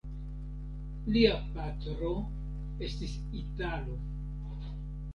Lia patro estis italo.